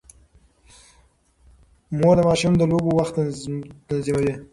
مور د ماشوم د لوبو وخت تنظيموي.